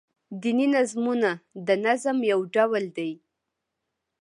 دیني نظمونه دنظم يو ډول دﺉ.